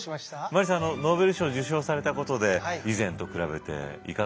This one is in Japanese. マリーさんノーベル賞受賞されたことで以前と比べていかがでしょうか？